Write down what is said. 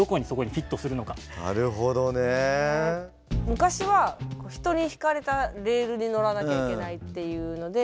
昔は人に敷かれたレールに乗らなきゃいけないっていうので。